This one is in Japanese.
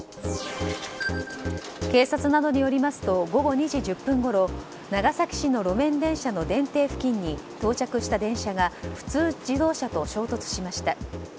警察などによりますと午後２時１０分ごろ長崎市の路面電車の電停付近に到着した電車が普通自動車と衝突しました。